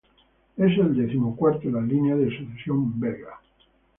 Es el decimocuarto en la línea de sucesión belga.